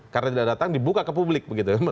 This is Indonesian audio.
karena tidak datang dibuka ke publik begitu